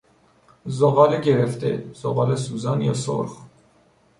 زغال گرفته، زغال سوزان یا سرخ